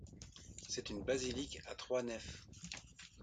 C'est une basilique à trois nefs.